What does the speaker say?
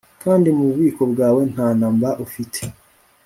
kandi mu bubiko bwawe nta na mba ufite